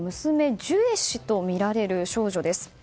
ジュエ氏とみられる少女です。